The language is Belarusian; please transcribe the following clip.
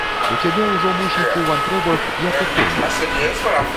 У цябе ўжо, мусіць, у вантробах, як у коміне.